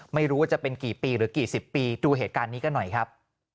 ไม่รู้ว่าจะเป็นกี่ปีหรือกี่สิบปีดูเหตุการณ์นี้กันหน่อยครับ